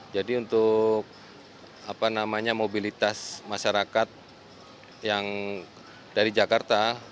jadi untuk mobilitas masyarakat yang dari jakarta